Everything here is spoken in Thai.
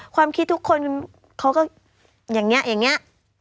ความคิดทุกคนเขาก็อย่างนี้อย่างนี้